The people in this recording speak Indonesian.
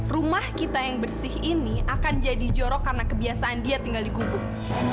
rumah kita yang bersih ini akan jadi jorok karena kebiasaan dia tinggal di gubuk